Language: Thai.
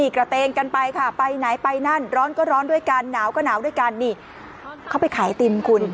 เค้าไปขายติมคุณ